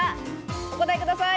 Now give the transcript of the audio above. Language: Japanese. お答えください。